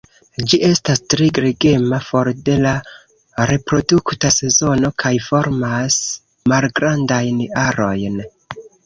Ĝi estas tre gregema for de la reprodukta sezono kaj formas malgrandajn arojn.